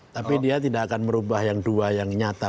tapi dia tidak akan merubah yang dua yang nyata